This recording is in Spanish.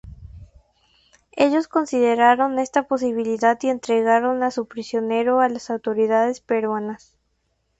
Ellos consideraron esta posibilidad y entregaron a su prisionero a las autoridades peruanas.